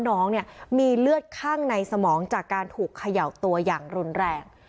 น้องเนี่ยมีเลือดข้างในสมองจากการถูกเขย่าตัวอย่างรุนแรง